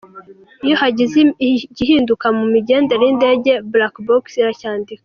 Iyo hagize igihinduka mu migendere y’indege, Black box iracyandika.